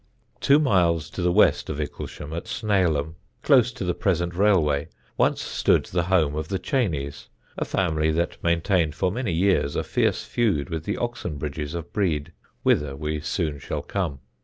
Two miles to the west of Icklesham, at Snaylham, close to the present railway, once stood the home of the Cheyneys, a family that maintained for many years a fierce feud with the Oxenbridges of Brede, whither we soon shall come.